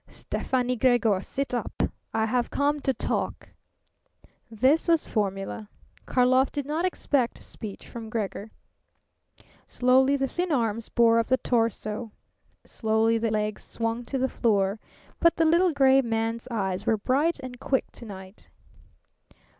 "Stefani Gregor, sit up. I have come to talk." This was formula. Karlov did not expect speech from Gregor. Slowly the thin arms bore up the torso; slowly the legs swung to the floor. But the little gray man's eyes were bright and quick to night.